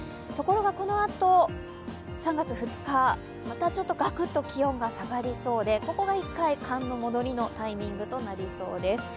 ところがこのあと３月２日、またちょっとガクッと気温が下がりそうでここが１回、寒の戻りのタイミングとなりそうです。